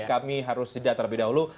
kami harus jeda terlebih dahulu